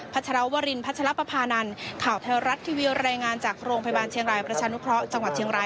พัชรวรินพัชรปภานันต์ข่าวแท้รัฐทีวิวรายงานจากโรงพยาบาลเชียงรายประชานุคร็อค่ะ